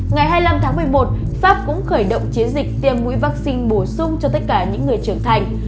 ngày hai mươi năm tháng một mươi một pháp cũng khởi động chiến dịch tiêm mũi vaccine bổ sung cho tất cả những người trưởng thành